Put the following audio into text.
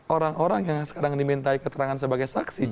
orang orang yang sekarang dimintai keterangan sebagai saksi